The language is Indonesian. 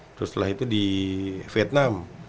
terus setelah itu di vietnam